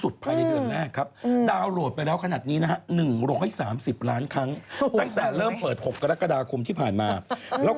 ที่มีบุรีมีปลาที่มีบุรีเป็นปลาในบ้านเพื่อน